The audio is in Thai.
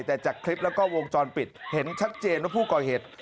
แต่จากคลิปแล้วก็วงจรปิดเห็นชัดเจนว่าผู้ก่อเหตุ